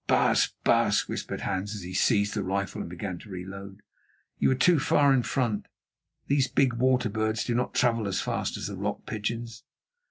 "Baas, baas," whispered Hans as he seized the rifle and began to re load, "you were too far in front. These big water birds do not travel as fast as the rock pigeons."